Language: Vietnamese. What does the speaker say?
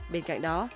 bên cạnh đó